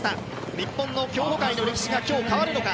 日本の競歩界の歴史が今日、変わるのか。